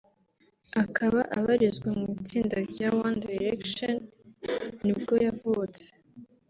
akaba abarizwa mu itsinda rya One Direction nibwo yavutse